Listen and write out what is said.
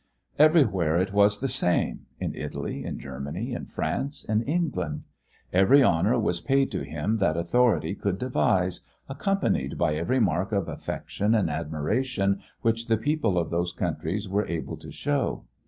Everywhere it was the same in Italy, in Germany, in France, in England Every honor was paid to him that authority could devise, accompanied by every mark of affection and admiration which the people of those countries were able to show.